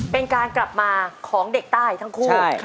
เป็นการกลับมาของเด็กใต้ทั้งคู่